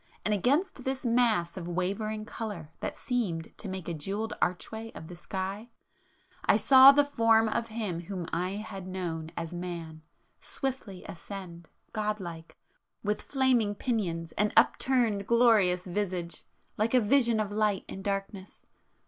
and against this mass of wavering colour that seemed to make a jewelled archway of the sky, I saw the Form of him whom I had known as man, swiftly ascend god like, with flaming pinions and upturned glorious visage, like a vision of light in darkness!